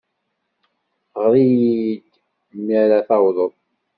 Ɣer-iyi-d mi ara tawḍeḍ.